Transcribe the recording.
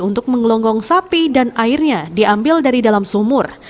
untuk menggelonggong sapi dan airnya diambil dari dalam sumur